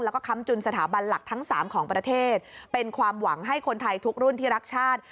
แล้วก็ค้ำจุนสถาบันหลักทั้งสามของประเทศเป็นความหวังให้คนไทยทุกรุ่นที่รักชาติ